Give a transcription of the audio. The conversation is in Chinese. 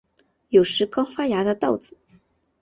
有时刚发芽的稻子